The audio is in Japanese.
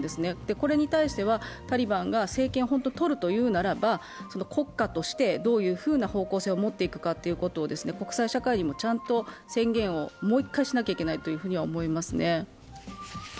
これに対してはタリバンが政権をとるというならば国家としてどういうふうな方向性を持っていくかを国際社会にもちゃんと宣言をもう１回しなきゃならないと思います。